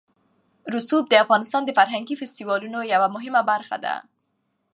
رسوب د افغانستان د فرهنګي فستیوالونو یوه مهمه برخه ده.